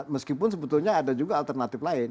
meskipun sebetulnya ada juga alternatif lain